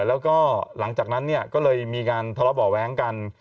แล้วก็หลังจากนั้นเนี่ยก็เลยมีการทะเลาะเบาะแว้งกัน